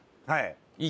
はい。